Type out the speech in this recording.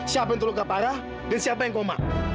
siapa yang terluka parah dan siapa yang koma